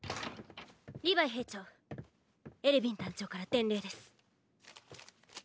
リヴァイ兵長エルヴィン団長から伝令です！